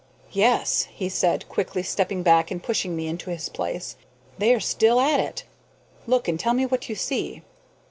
"Yes," he said, quickly stepping back and pushing me into his place, "they are still at it. Look, and tell me what you see."